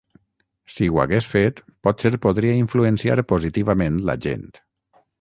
Si ho hagués fet potser podria influenciar positivament la gent.